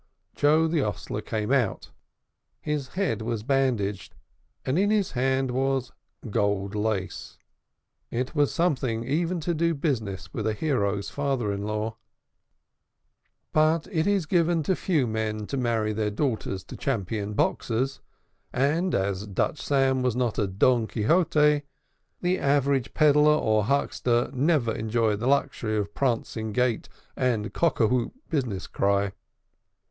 Joe the hostler came out. His head was bandaged, and in his hand was gold lace. It was something even to do business with a hero's father in law. But it is given to few men to marry their daughters to champion boxers: and as Dutch Sam was not a Don Quixote, the average peddler or huckster never enjoyed the luxury of prancing gait and cock a hoop business cry.